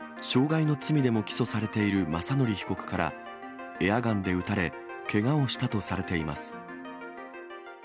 また唯雅ちゃんは、傷害の罪でも起訴されているまさのり被告から、エアガンで撃たれ、けがをしたとされています。